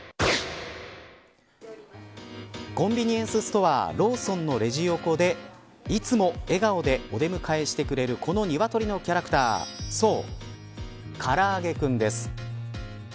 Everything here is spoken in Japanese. コンビニエンスストアローソンのレジ横でいつも笑顔でお出迎えしてくれるこのニワトリのキャラクターそう、からあげクンです。